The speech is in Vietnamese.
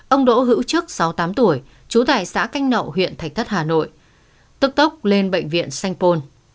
ông đỗ hữu trước sáu mươi tám tuổi trú tại xã canh nậu huyện thạch thất hà nội tức tốc lên bệnh viện sanh pôn